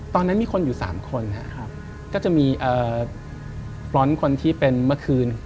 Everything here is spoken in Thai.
ตอนนั้นมีคนอยู่๓คนก็จะมีฟรอนต์คนที่เป็นเมื่อคืน